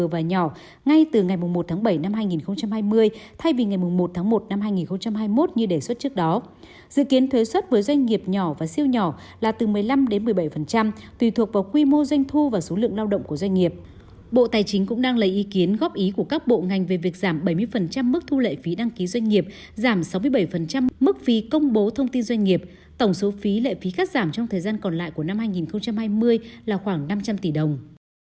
tổng số phí lệ phí cắt giảm trong thời gian còn lại của năm hai nghìn hai mươi là khoảng năm trăm linh tỷ đồng